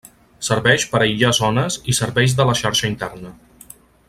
Serveix per aïllar zones i serveis de la xarxa interna.